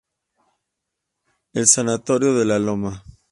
El sanatorio de la loma.